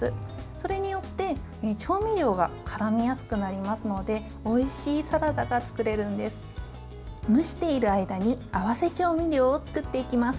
それによって、調味料がからみやすくなりますのでおいしいサラダが作れるんです。